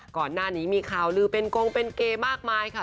ก่อนหน้านี้มีข่าวลือเป็นกงเป็นเกย์มากมายค่ะ